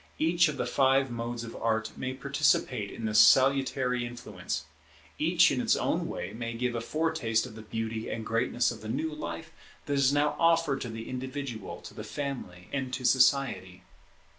Each of the five modes of Art may participate in this salutary influence; each in its own way may give a foretaste of the beauty and greatness of the new life that is now offered to the individual, to the family, and to society.